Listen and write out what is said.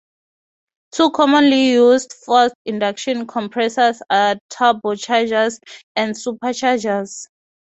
Two commonly used forced-induction compressors are turbochargers and superchargers.